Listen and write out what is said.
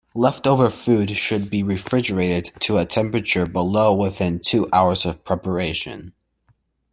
Leftover food should be refrigerated to a temperature below within two hours of preparation.